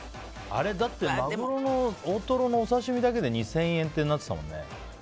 大トロのお刺し身だけで２０００円ってなってたもんね。